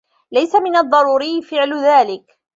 ليس من الضروري فعل ذلك.